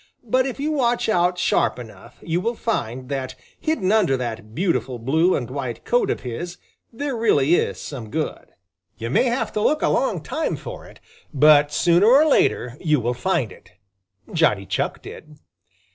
But if you watch out sharp enough, you will find that hidden under that beautiful blue and white coat of his there really is some good. You may have to look a long time for it, but sooner or later you will find it. Johnny Chuck did.